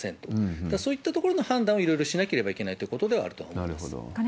だからそういったところの判断は、いろいろしなければいけないというところではあると思います。